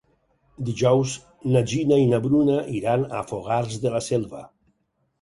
Dijous na Gina i na Bruna iran a Fogars de la Selva.